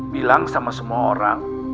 bilang sama semua orang